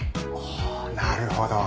あなるほど。